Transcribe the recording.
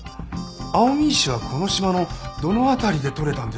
蒼海石はこの島のどの辺りで採れたんでしょうか？